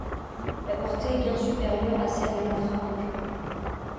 La portée est bien supérieure à celle de l'infrarouge.